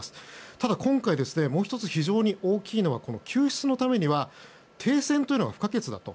ただ、今回もう１つ非常に大きいのはこの救出のためには停戦というのは不可欠だと。